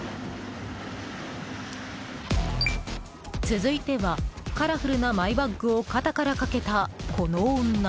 続いてはカラフルなマイバッグを肩から掛けた、この女。